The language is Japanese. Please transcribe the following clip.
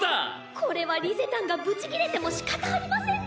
これはリゼたんがブチギレてもしかたありませんね。